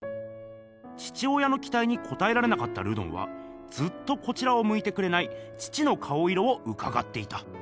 父親のきたいにこたえられなかったルドンはずっとこちらをむいてくれない父の顔色をうかがっていた。